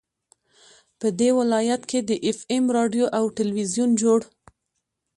په دې ولايت كې د اېف اېم راډيو او ټېلوېزون جوړ